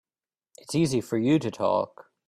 It's easy for you to talk.